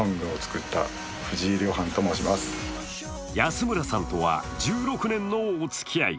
安村さんとは１６年のおつきあい。